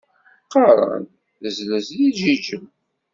Qqaren-d tezlez deg Jijel.